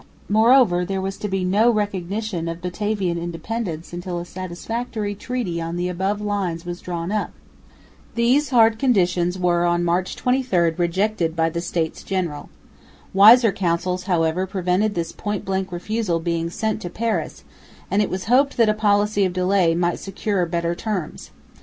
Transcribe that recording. Moreover there was to be no recognition of Batavian independence until a satisfactory treaty on the above lines was drawn up. These hard conditions were on March 23 rejected by the States General. Wiser counsels however prevented this point blank refusal being sent to Paris, and it was hoped that a policy of delay might secure better terms.